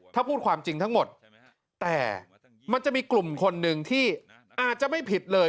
ถ้าพูดความจริงทั้งหมดแต่มันจะมีกลุ่มคนหนึ่งที่อาจจะไม่ผิดเลย